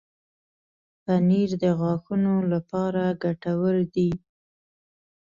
پنېر د غاښونو لپاره ګټور دی.